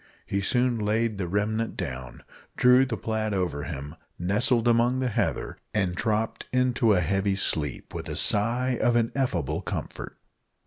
He soon laid the remnant down, drew the plaid over him, nestled among the heather, and dropped into a heavy sleep with a sigh of ineffable comfort.